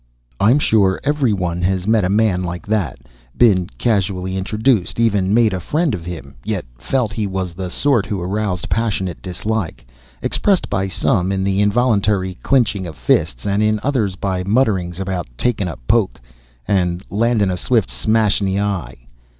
I'm sure every one has met a man like that, been casually introduced, even made a friend of him, yet felt he was the sort who aroused passionate dislike expressed by some in the involuntary clinching of fists, and in others by mutterings about "takin' a poke" and "landin' a swift smash in ee eye."